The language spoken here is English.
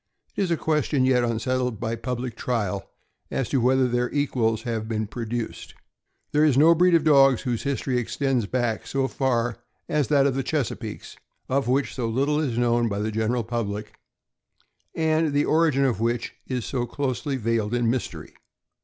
It is a question yet unsettled by public trial as to whether their equals have been produced. There is no breed of dogs whose history extends back so far as that of the Chesapeakes of which so little is known by the general public, and the origin of which is so closely veiled in mystery.